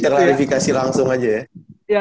biar kita klarifikasi langsung aja ya